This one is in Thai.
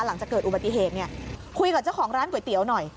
หลังจากเกิดอุบัติเหตุเนี่ยคุยกับเจ้าของร้านก๋วยเตี๋ยวหน่อย